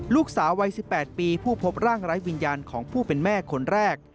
ลูกสาววัย๑๘ปีผู้พบร่างไร้วิญญาณของผู้เป็นแม่คนแรก